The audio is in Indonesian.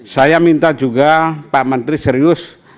saya minta juga pak menteri serius